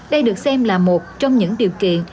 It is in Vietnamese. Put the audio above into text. đây được xem là một trong những điều kiện